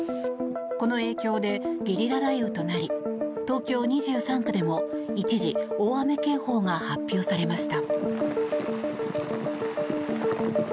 この影響でゲリラ雷雨となり東京２３区でも一時大雨警報が発表されました。